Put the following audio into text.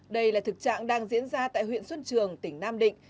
đây là thực trạng đang diễn ra tại huyện xuân trường tỉnh nam định